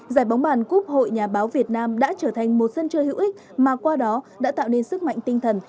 giải bóng bàn cúp hội nhà báo việt nam đã trở thành một sân chơi hữu ích mà qua đó đã tạo nên sức mạnh tinh thần